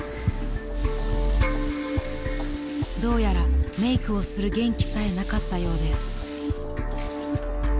［どうやらメークをする元気さえなかったようです］